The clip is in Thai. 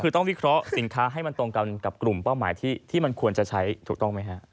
คือต้องวิเคราะห์สินค้าให้มันตรงกันกับกลุ่มเป้าหมายที่มันควรจะใช้ถูกต้องไหมฮะ